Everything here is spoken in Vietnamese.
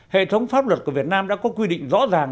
hệ thống pháp luật của việt nam đã có quy định rõ ràng